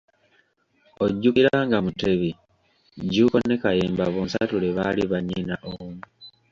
Ojjukira nga Mutebi, Jjuuko ne Kayemba bonsatule baali bannyina omu.